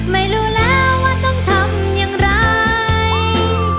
ไม่รู้แล้วว่าต้องทำอย่างไร